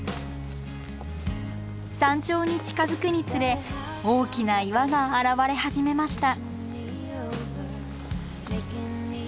山頂に近づくにつれ大きな岩が現れ始めました。